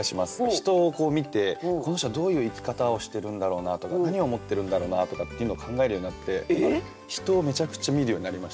人をこう見てこの人はどういう生き方をしてるんだろうなとか何思ってるんだろうなとかっていうのを考えるようになって人をめちゃくちゃ見るようになりました